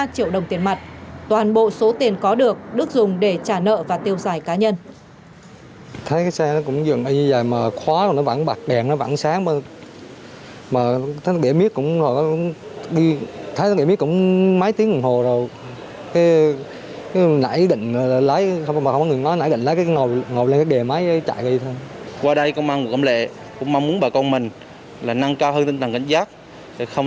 ba triệu đồng tiền mặt toàn bộ số tiền có được đức dùng để trả nợ và tiêu giải cá nhân